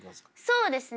そうですね。